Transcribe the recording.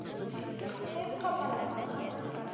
— Ҡайһы яҡҡа бараһың, ағай?